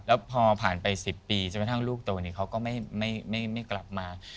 แล้วพอผ่านไป๑๐ปีจนกระทั่งลูกโตนี้เขาก็ไม่กลับมา